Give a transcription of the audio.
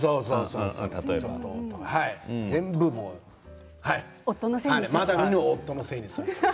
全部もうまだ見ぬ夫のせいにする。